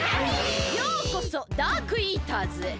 ようこそダークイーターズへ。